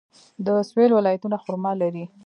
د سویل ولایتونه خرما لري.